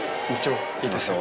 いいですよ。